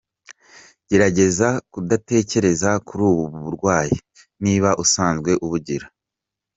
Gerageza kudatekereza kuri ubu burwayi niba usanzwe ubugira.